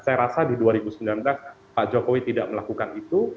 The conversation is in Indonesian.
saya rasa di dua ribu sembilan belas pak jokowi tidak melakukan itu